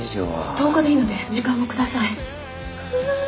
１０日でいいので時間を下さい。